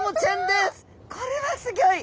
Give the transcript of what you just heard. これはすギョい！